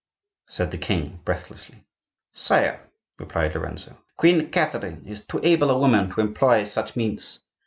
said the king, breathlessly. "Sire," replied Lorenzo, "Queen Catherine is too able a woman to employ such means.